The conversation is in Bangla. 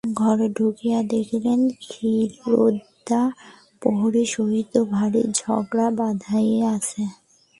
ঘরে ঢুকিয়া দেখিলেন ক্ষীরোদা প্রহরীর সহিত ভারি ঝগড়া বাধাইয়াছে।